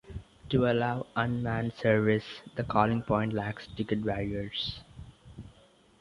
To allow unmanned service the calling point lacks ticket barriers.